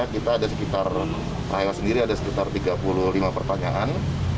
kita ada sekitar rahel sendiri ada sekitar tiga puluh lima pertanyaan